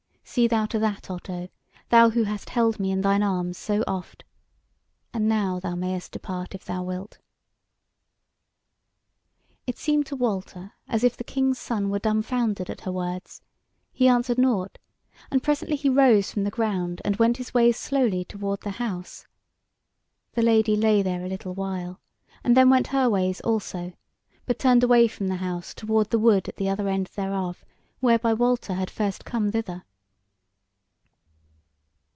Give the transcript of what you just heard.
See thou to that, Otto! thou who hast held me in thine arms so oft. And now thou mayest depart if thou wilt." It seemed to Walter as if the King's Son were dumbfoundered at her words: he answered nought, and presently he rose from the ground, and went his ways slowly toward the house. The Lady lay there a little while, and then went her ways also; but turned away from the house toward the wood at the other end thereof, whereby Walter had first come thither.